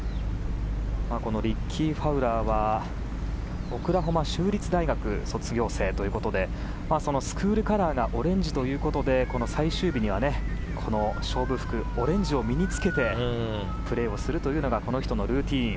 このリッキー・ファウラーはオクラホマ州立大学の卒業生ということでスクールカラーがオレンジということでこの最終日には勝負服オレンジを身に着けてプレーするというのがこの人のルーティン。